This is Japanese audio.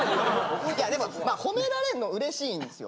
いやでも褒められるのうれしいんすよ。